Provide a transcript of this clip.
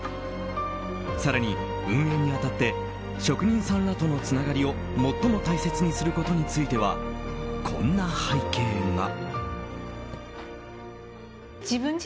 更に運営に当たって職人さんらとのつながりを最も大切にすることについてはこんな背景が。